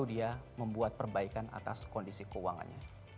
kemudian dia juga membuat perbaikan atas kondisi keuangannya